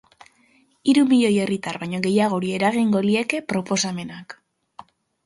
Hiru milioi herritar baino gehiagori eragingo lieke proposamenak.